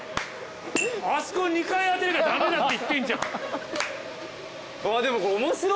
あそこ２回当てなきゃ駄目だって言ってんじゃん。